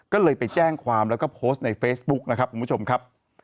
ก็เลยไปแจ้งความแล้วก็โพสต์ในเฟซบุ๊กนะครับคุณผู้ชมครับ